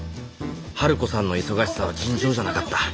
ハルコさんの忙しさは尋常じゃなかった。